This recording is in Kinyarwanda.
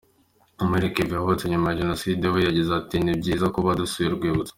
Muhire Kevin wavutse nyuma ya Jenoside we yagize ati ”Ni byiza kuba dusuye urwibutso.